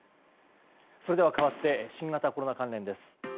それでは、かわって新型コロナ関連です。